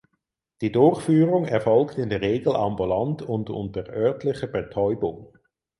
Die Durchführung erfolgt in der Regel ambulant und unter örtlicher Betäubung.